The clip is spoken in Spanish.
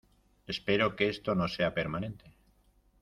Espero que esto no sea permanente.